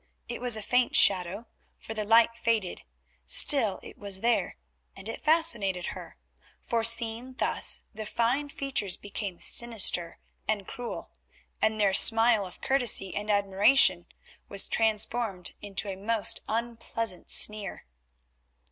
It was a faint shadow, for the light faded, still it was there, and it fascinated her, for seen thus the fine features became sinister and cruel, and their smile of courtesy and admiration was transformed into a most unpleasant sneer.